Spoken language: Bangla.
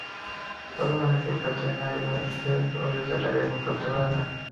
তবে অনেক ক্ষেত্রেই নারী নিজের অর্জিত টাকা ভোগ করতে পারে না।